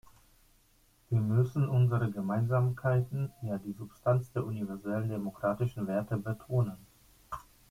Wir müssen unsere Gemeinsamkeiten, ja die Substanz der universellen demokratischen Werte betonen.